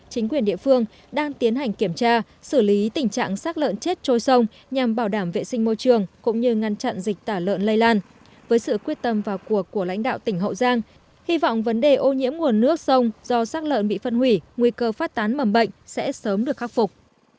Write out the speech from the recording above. tình trạng vứt sắc lợn chết xuống sông đã trục vớt xử lý xong sông đã trục vớt